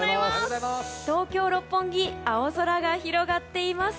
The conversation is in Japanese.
東京・六本木青空が広がっています。